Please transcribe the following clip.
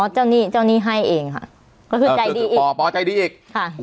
เจ้าหนี้เจ้าหนี้ให้เองค่ะก็คือใจดีเองป่อปอใจดีอีกค่ะ